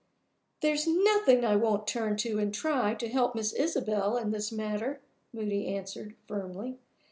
"There's nothing I won't turn to, and try, to help Miss Isabel in this matter," Moody answered, firmly.